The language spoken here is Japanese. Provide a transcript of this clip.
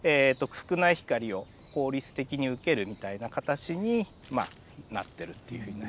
少ない光を効率的に受けるみたいな形になってるっていうふうになります。